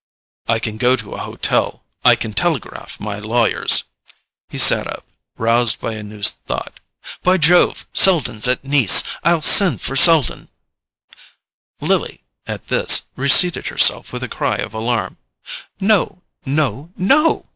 "I can go to an hotel. I can telegraph my lawyers." He sat up, roused by a new thought. "By Jove, Selden's at Nice—I'll send for Selden!" Lily, at this, reseated herself with a cry of alarm. "No, no, NO!"